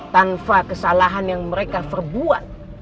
tanpa kesalahan yang mereka perbuat